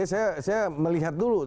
saya melihat dulu